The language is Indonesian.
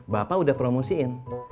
bapak udah promosiin